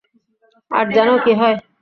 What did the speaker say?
আর জানো কী হয়?